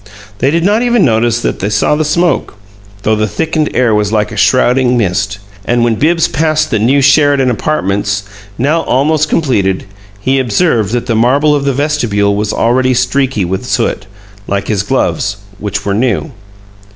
They did not even notice that they saw the smoke, though the thickened air was like a shrouding mist. And when Bibbs passed the new "Sheridan Apartments," now almost completed, he observed that the marble of the vestibule was already streaky with soot, like his gloves, which were new.